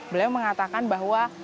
beliau mengatakan bahwa